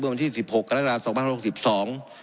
เมื่อวันที่๑๖กันรัฐกรรม๒๐๑๒